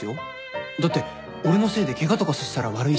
だって俺のせいでケガとかさせたら悪いし。